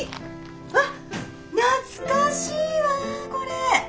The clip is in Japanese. わっ懐かしいわこれ。